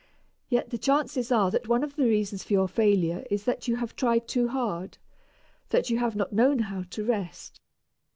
Yet the chances are that one of the reasons for your failure is that you have tried too hard, that you have not known how to rest.